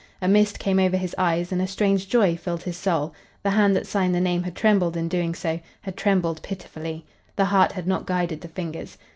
A mist came over his eyes and a strange joy filled his soul. The hand that signed the name had trembled in doing so, had trembled pitifully. The heart had not guided the fingers.